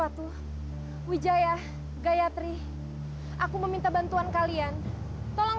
aku tidak bermaksud untuk bersaing denganmu